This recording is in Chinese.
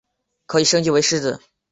可以升级为狮子。